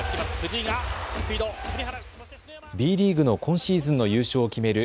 Ｂリーグの今シーズンの優勝を決める